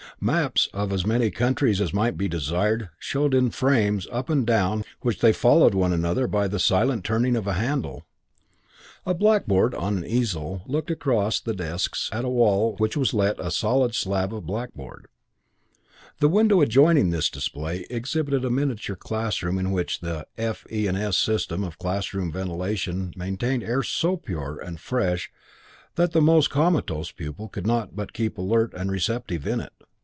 Maps of as many countries as might be desired showed in frames up and down which they followed one another by the silent turning of a handle. A blackboard on an easel looked across the desks at a wall into which was let a solid slab of blackboard. The window adjoining this display exhibited a miniature classroom in which the "F.E. & S." system of classroom ventilation maintained air so pure and fresh that the most comatose pupil could not but keep alert and receptive in it.